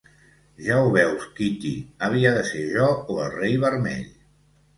Ja ho veus, Kitty, havia de ser jo o el Rei vermell.